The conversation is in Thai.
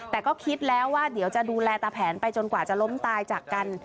แต่ก็คิดแล้วว่าเดี๋ยวจะดูแลตาแผนไปจนกว่าจะล้มตายจากกัน